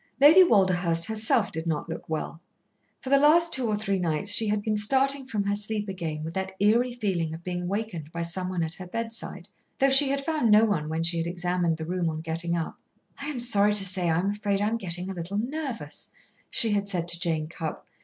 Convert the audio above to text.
Lady Walderhurst herself did not look well, For the last two or three nights she had been starting from her sleep again with that eerie feeling of being wakened by someone at her bedside, though she had found no one when she had examined the room on getting up. "I am sorry to say I am afraid I am getting a little nervous," she had said to Jane Cupp.